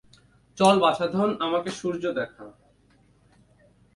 চল, বাছাধন, আমাকে সূর্য দেখা।